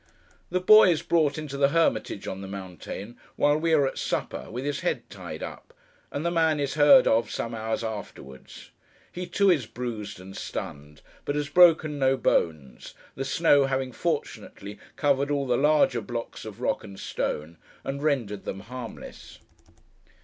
The boy is brought into the Hermitage on the Mountain, while we are at supper, with his head tied up; and the man is heard of, some hours afterwards. He too is bruised and stunned, but has broken no bones; the snow having, fortunately, covered all the larger blocks of rock and stone, and rendered them harmless.